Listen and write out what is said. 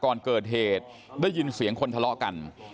ก่อนเกิดเหตุได้ยินเสียงคนทะเลาะกัน